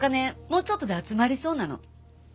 もうちょっとで集まりそうなの。